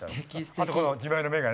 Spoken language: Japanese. あと自前の眼鏡。